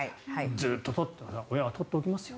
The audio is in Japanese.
ずっと親は取っておきますよ。